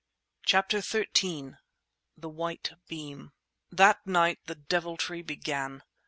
CHAPTER XIII THE WHITE BEAM That night the deviltry began.